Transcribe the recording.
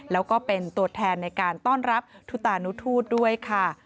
แล้วก็เป็นตัวแทนในการต้อนรับทุตานุทูตด้วยค่ะ